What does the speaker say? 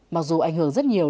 mặc dù ảnh hưởng rất nhiều